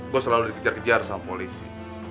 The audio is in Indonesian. gue selalu dikejar kejar sama polisi